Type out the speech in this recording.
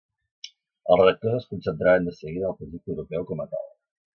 Els redactors es concentraren de seguida en el projecte europeu com a tal.